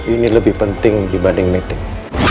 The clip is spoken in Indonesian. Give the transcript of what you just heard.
ini lebih penting dibanding meeting